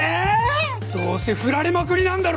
どうせフラれまくりなんだろ！